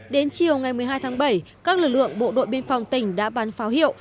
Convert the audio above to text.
đến chiều ngày một mươi hai tháng bảy các lực lượng bộ đội biên phòng tỉnh đã bán pháo hiệu